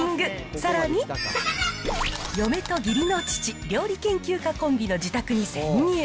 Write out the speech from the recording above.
さらに、嫁と義理の父、料理研究家コンビの自宅に潜入。